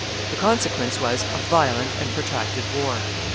The consequence was, a violent and protracted war.